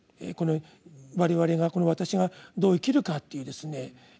この我々がこの私がどう生きるかっていうですね